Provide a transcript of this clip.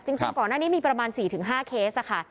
จริงก่อนหน้านี้มีประมาณ๔๕เคสค่ะ